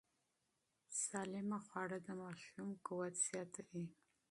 صحتمند خواړه د ماشوم قوت زیاتوي.